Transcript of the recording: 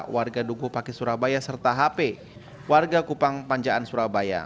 warga dukuh pakis surabaya serta hp warga kupang panjaan surabaya